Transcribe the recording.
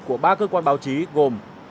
của ba cơ quan báo chí gồm